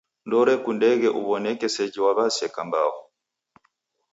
Ndoorekundeghe uw'oneke seji waw'iaseka mbao.